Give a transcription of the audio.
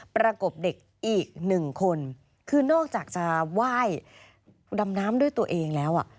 ประกบเด็กอีกหนึ่งคนคือนอกจากจะไหว้ดำน้ำด้วยตัวเองแล้วอ่ะ